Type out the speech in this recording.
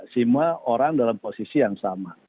semua orang dalam posisi yang sama